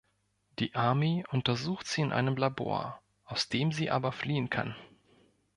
Die Army untersucht sie in einem Labor, aus dem sie aber fliehen kann.